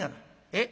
「えっ？